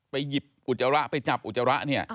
หยิบอุจจาระไปจับอุจจาระเนี่ย